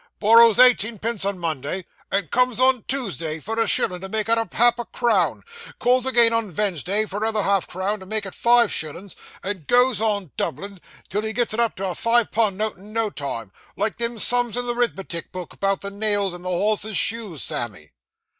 'Borrows eighteenpence on Monday, and comes on Tuesday for a shillin' to make it up half a crown; calls again on Vensday for another half crown to make it five shillin's; and goes on, doubling, till he gets it up to a five pund note in no time, like them sums in the 'rithmetic book 'bout the nails in the horse's shoes, Sammy.